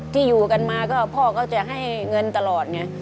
ที่อยู่กันมาก็พ่อก็จะให้เงินตลอดไง